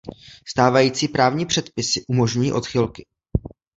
Stávající právní předpisy umožňují odchylky.